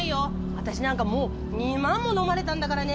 あたしなんかもう２万ものまれたんだからね。